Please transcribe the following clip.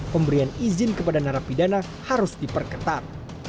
pemberian izin kepada narapi dana harus diperketat